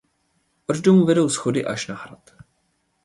Od domu vedou schody až na hrad.